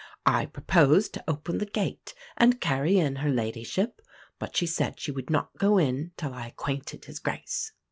I proposed to open the gate and carry in her Ladyship; but she said she would not go in till I acquainted his Grace."